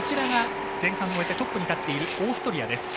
前半終えてトップに立っているオーストリア。